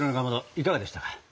いかがでしたか？